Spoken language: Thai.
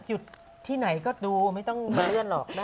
อยู่ที่ไหนก็ดูไม่ต้องกันหรอก